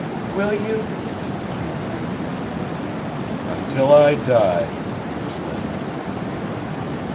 "Will you?" she entreated. "Until I die," he exclaimed.